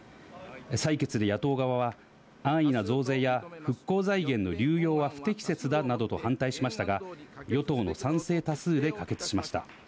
採決で野党側は、安易な増税や復興財源の流用は不適切だなどと反対しましたが、与党の賛成多数で可決しました。